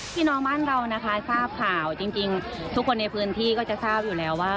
พี่น้องบ้านเรานะคะทราบข่าวจริงทุกคนในพื้นที่ก็จะทราบอยู่แล้วว่า